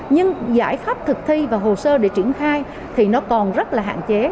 nhưng giải pháp thực thi và hồ sơ để triển khai thì nó còn rất là hạn chế